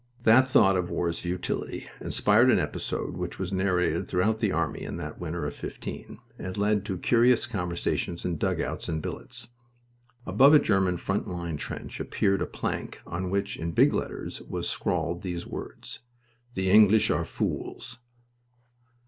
That thought of war's futility inspired an episode which was narrated throughout the army in that winter of '15, and led to curious conversations in dugouts and billets. Above a German front line trench appeared a plank on which, in big letters, was scrawled these words "The English are fools."